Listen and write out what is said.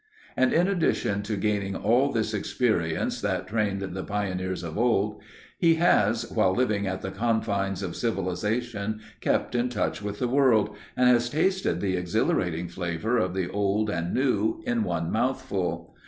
And in addition to gaining all this experience that trained the pioneers of old, he has, while living at the confines of civilization, kept in touch with the world, and has tasted the exhilarating flavour of the old and new in one mouthful.